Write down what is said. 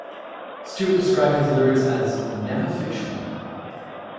Stewart described his lyrics as "never fictional".